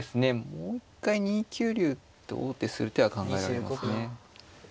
もう一回２九竜って王手する手は考えられますね。